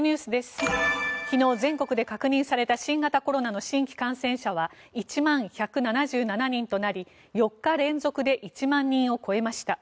昨日全国で確認された新型コロナの新規感染者は１万１７７人となり４日連続で１万人を超えました。